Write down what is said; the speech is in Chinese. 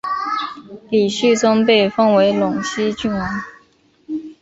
李继崇被封为陇西郡王。